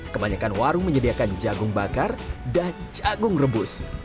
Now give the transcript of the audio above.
kebanyakan warung menyediakan jagung bakar dan jagung rebus